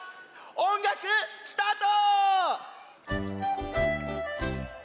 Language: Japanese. おんがくスタート！